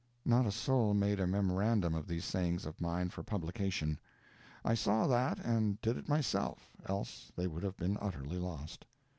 Not a soul made a memorandum of these sayings of mine, for publication. I saw that, and did it myself, else they would have been utterly lost.